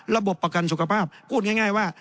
ระบบประกันสุขภาพพูดง่ายง่ายว่า